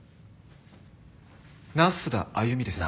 那須田歩です。